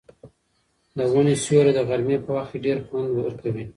د ونې سیوری د غرمې په وخت کې ډېر خوند ورکوي.